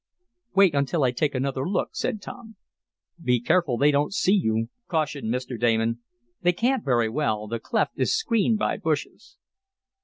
"Wait until I take another look," said Tom. "Be careful they don't see you," cautioned Mr. Damon. "They can't very well. The cleft is screened by bushes."